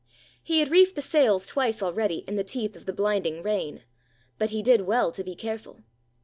He had reefed the sails twice already in the teeth of the blinding rain. But he did well to be careful.